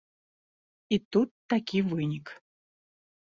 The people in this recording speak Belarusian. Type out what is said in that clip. І тут такі вынік.